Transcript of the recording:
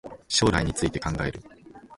将来について考える